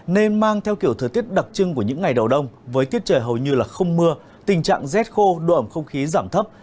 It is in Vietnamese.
nên mang theo kiểu thời tiết đặc trưng của những ngày đầu đông với tiết trời hầu như là không mưa tình trạng rét khô độ ẩm không khí giảm thấp